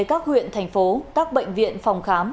các huyện thành phố các bệnh viện phòng khám